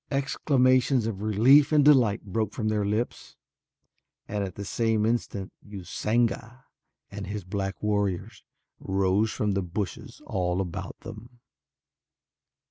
Exclamations of relief and delight broke from their lips, and at the same instant Usanga and his black warriors rose from the bushes all about them.